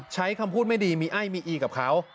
ใช้คำพูดไม่ดีมีไอ้มีอีกับเขา